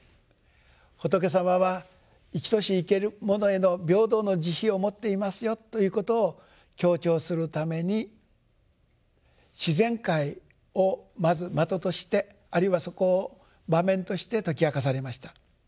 仏様は生きとし生けるものへの平等の慈悲を持っていますよということを強調するために自然界をまず的としてあるいはそこを場面として説き明かされました。